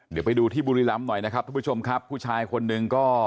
เดี๋ยวไปดูที่บุรีลัมน์หน่อยนะครับทุกพี่คุณผู้ชายคนหนึ่งก็